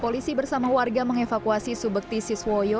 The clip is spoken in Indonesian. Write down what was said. polisi bersama warga mengevakuasi subekti siswoyo